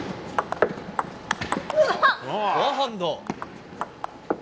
フォアハンド。